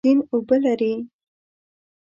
سیند اوبه لري.